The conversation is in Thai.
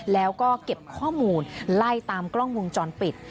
แล้วก็เก็บข้อมูลไล่ตามกล้องวงจรปิด